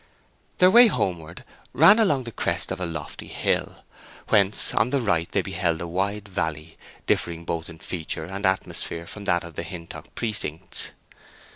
Their way homeward ran along the crest of a lofty hill, whence on the right they beheld a wide valley, differing both in feature and atmosphere from that of the Hintock precincts.